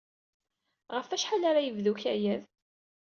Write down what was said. Ɣef wacḥal ara yebdu ukayad?